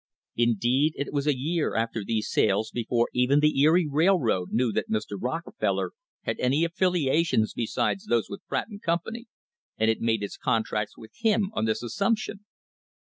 Indeed, it was a year after these sales before even the Erie Railroad knew that Mr. Rockefeller had any affiliations besides those with Pratt and Company, and it made its contracts with him on this as sumption.